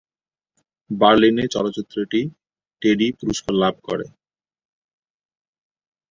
বার্লিনে চলচ্চিত্রটি টেডি পুরস্কার লাভ করে।